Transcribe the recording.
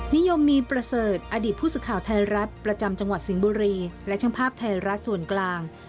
นิยมมีประเสริฐอดีตผู้สื่อข่าวไทยรัฐประจำจังหวัดสิงห์บุรีและช่างภาพไทยรัฐส่วนกลาง